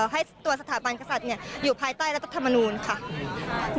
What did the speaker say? ให้ตัวสถาบันกษัตริย์อยู่ภายใต้รัฐธรรมนูลค่ะ